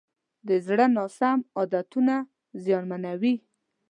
د زړه ناسم عادتونه زیانمنوي.